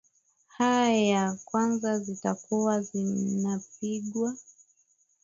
aa ya kwanza zitakuwa zinapigwa